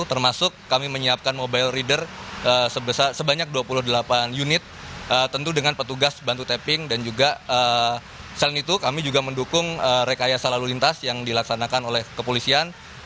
termasuk kami menyiapkan mobile reader sebanyak dua puluh delapan unit tentu dengan petugas bantu tapping dan juga selain itu kami juga mendukung rekayasa lalu lintas yang dilaksanakan oleh kepolisian